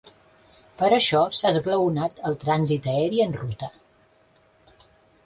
Per això s’ha esglaonat el trànsit aeri en ruta.